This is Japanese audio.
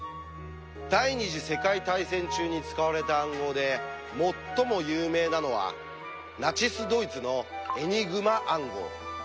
第２次世界大戦中に使われた暗号で最も有名なのはナチス・ドイツのエニグマ暗号。